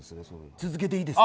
続けていいですか。